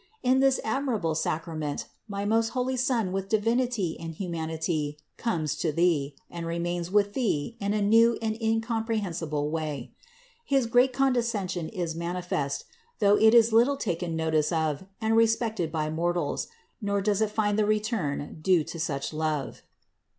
In this admirable Sacrament my most holy Son with Divinity and humanity comes to thee and remains with thee in a new and incom prehensible way. His great condescension is manifest, though it is little taken notice of and respected by mortals, nor does it find the return due to such love.